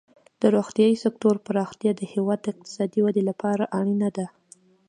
د روغتیا سکتور پراختیا د هیواد د اقتصادي ودې لپاره اړینه ده.